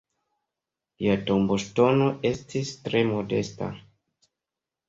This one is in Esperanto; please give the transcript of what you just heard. Lia tomboŝtono estis tre modesta.